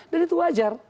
dan itu wajar